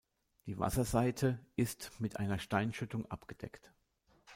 Die Wasserseite ist mit einer Steinschüttung abgedeckt.